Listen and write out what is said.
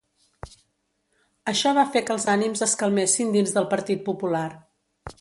Això va fer que els ànims es calmessin dins del Partit Popular.